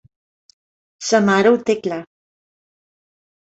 Sa mare ho té clar.